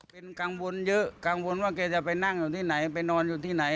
เป็นกังวลเยอะกังวลว่าแกจะไปนั่งอยู่ที่ไหนไปนอนอยู่ที่ไหน